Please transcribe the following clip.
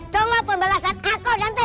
congok pembalasan aku nanti